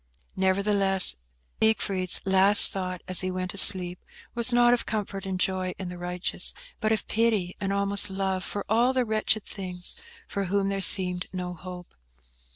Nevertheless, Siegfried's last thought, as he fell asleep, was not of comfort and joy in the righteous, but of pity and almost love for all the wretched things for whom there seemed no hope.